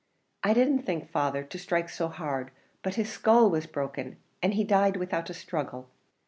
I didn't think, father, to strike so hard, but his skull was broken, and he died without a struggle."